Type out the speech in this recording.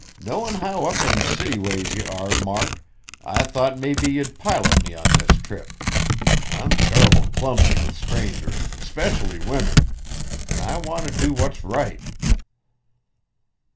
Knowin' how up in city ways ye are, Mark, I thought maybe ye'd pilot me on this trip. I'm turrible clumsy with strangers, specially women, an' I want t' do what's right."